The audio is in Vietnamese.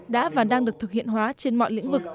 đã và đang được thực hiện hóa trên mọi lĩnh vực